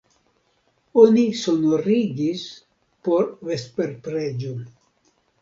Oni sonorigis por vesperpreĝo.